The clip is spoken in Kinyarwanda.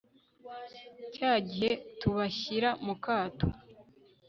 cya gihe tubashyira mu kato